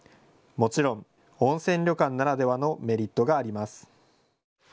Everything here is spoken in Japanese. もちろん、温泉旅館ならではのメリットがあります。